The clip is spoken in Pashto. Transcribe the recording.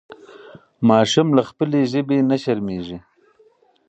ماشوم له خپلې ژبې نه شرمېږي.